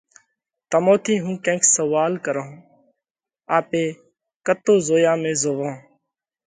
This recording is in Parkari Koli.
تمون ٿِي هُون ڪينڪ سوئال ڪرونه: آپي ڪتو زويا ۾ زوئونه؟